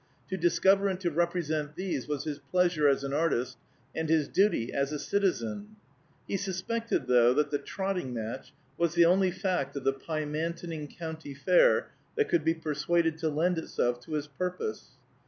To discover and to represent these was his pleasure as an artist, and his duty as a citizen. He suspected, though, that the trotting match was the only fact of the Pymantoning County Fair that could be persuaded to lend itself to his purpose.